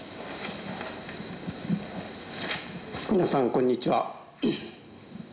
皆さんこんにちは。